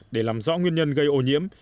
để làm rõ nguyên nhân gây hô nhiễm